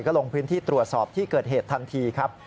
ก็ลงพื้นที่ตรวจสอบที่เกิดเหตุทันทีครับ